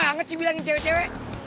siapa banget yang bilangin cewek cewek